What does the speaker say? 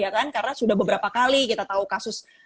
karena sudah beberapa kali kita tahu kasus